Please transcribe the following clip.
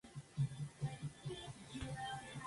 Caballero de la Soberana Orden de Malta.